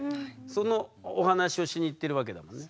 そのお話をしに行ってるわけだもんね。